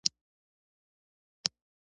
• د برېښنا پرته ماشينونه کار نه کوي.